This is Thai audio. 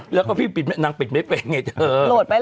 แล้วก็พี่ลดปิดเม็ดเป็นไง